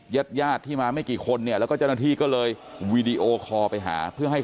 แยดที่มาไม่กี่คนเนี้ยแล้วก็เจ้าหน้าที่ก็เลยไปหาเพื่อให้